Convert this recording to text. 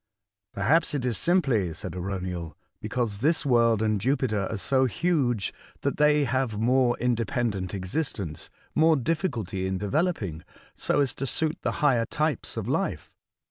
*' Perhaps it is simply," said Arauniel, '' be cause this world and Jupiter are so huge that 188 A Voyage, to Other Worlds. they have more independent existence, — more difficulty in developing, so as to suit the higher types of life.